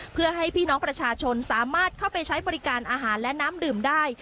เพื่อให้พี่น้องประชาชนสามารถเข้าไปใช้บริการอาหารและน้ำดื่มได้